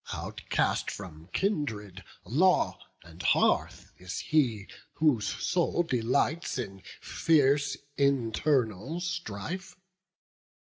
Outcast from kindred, law, and hearth is he Whose soul delights in fierce internal strife.